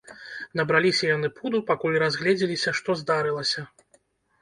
Набраліся яны пуду, пакуль разгледзеліся, што здарылася.